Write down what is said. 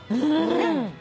うん。